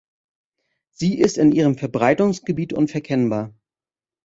Sie ist in ihrem Verbreitungsgebiet unverkennbar.